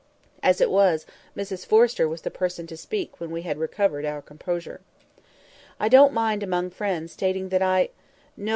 As it was, Mrs Forrester was the person to speak when we had recovered our composure. "I don't mind, among friends, stating that I—no!